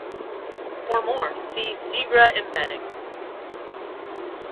For more see Segre embedding.